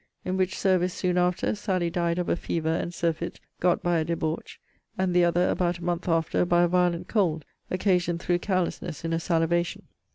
In which service, soon after, Sally died of a fever and surfeit got by a debauch; and the other, about a month after, by a violent cold, occasioned through carelessness in a salivation.